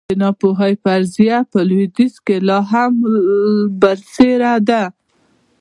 د ناپوهۍ فرضیه په لوېدیځ کې لا هم برلاسې ده.